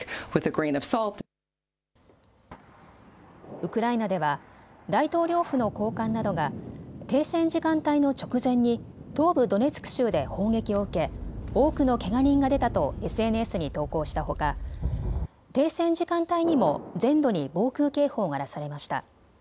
ウクライナでは大統領府の高官などが停戦時間帯の直前に東部ドネツク州で砲撃を受け多くのけが人が出たとＳＮＳに投稿したほか停戦時間帯にも全土に防空警報が出されました。